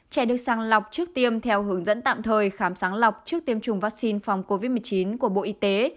trẻ được sàng lọc trước tiêm theo hướng dẫn tạm thời khám sáng lọc trước tiêm chủng vaccine phòng covid một mươi chín của bộ y tế